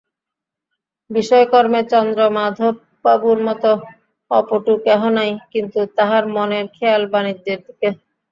বিষয়কর্মে চন্দ্রমাধববাবুর মতো অপটু কেহ নাই কিন্তু তাঁহার মনের খেয়াল বাণিজ্যের দিকে।